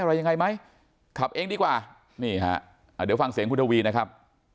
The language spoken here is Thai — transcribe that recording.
อะไรยังไงไหมขับเองดีกว่านี่ฮะอ่าเดี๋ยวฟังเสียงคุณทวีนะครับ